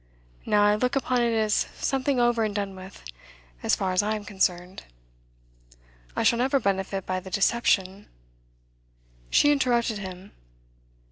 Now, I look upon it as something over and done with, as far as I am concerned. I shall never benefit by the deception ' She interrupted him.